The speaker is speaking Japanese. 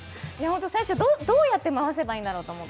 最初、どうやって回せばいいんだろうと思って。